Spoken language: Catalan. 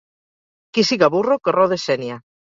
Qui siga burro que rode sénia.